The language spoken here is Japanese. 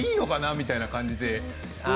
みたいな感じで。